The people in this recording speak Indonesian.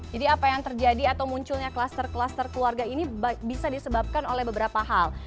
jadi apa yang terjadi atau munculnya klaster klaster keluarga ini bisa disebabkan oleh beberapa hal